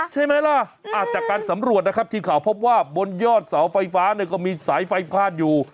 ใช่ไหมล่ะจากการสำรวจนะครับทีมข่าวพบว่าบนยอดเสาไฟฟ้าเนี่ยก็มีสายไฟพาดอยู่